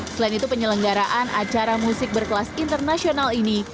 selain itu penyelenggaraan acara musik berkelas internasional ini